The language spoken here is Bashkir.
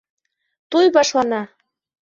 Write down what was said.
Туй башлана!